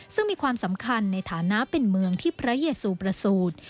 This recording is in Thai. ซึ่งมีความสำคัญในฐานะเป็นเมืองที่พระเยซูประสูจน์